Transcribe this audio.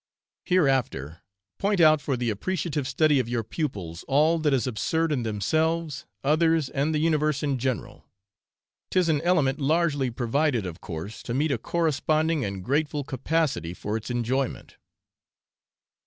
Hereafter point out for the 'appreciative' study of your pupils all that is absurd in themselves, others, and the universe in general; 't is an element largely provided, of course, to meet a corresponding and grateful capacity for its enjoyment.